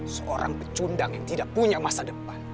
seorang pecundang yang tidak punya masa depan